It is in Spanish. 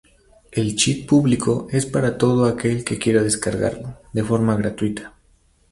El "cheat" público es para todo aquel que quiera descargarlo, de forma gratuita.